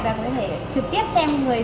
và có thể trực tiếp xem